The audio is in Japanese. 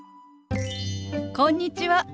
こんにちは。